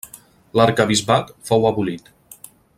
L'arquebisbat fou abolit.